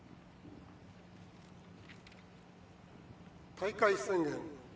大会宣言。